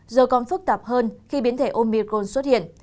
giờ còn phức tạp hơn khi biến thể omicron xuất hiện